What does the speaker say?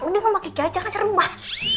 mendingan pake gajah kan serem mah